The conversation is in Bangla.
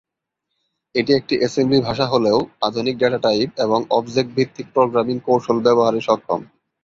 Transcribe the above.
এটি একটি এসেম্বলি ভাষা হলেও আধুনিক ডেটা টাইপ এবং অবজেক্ট ভিত্তিক প্রোগ্রামিং কৌশল ব্যবহারে সক্ষম।